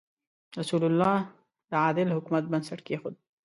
رسول الله د عادل حکومت بنسټ کېښود.